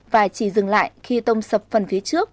và chỉ dừng lại khi tông sập phần phía trước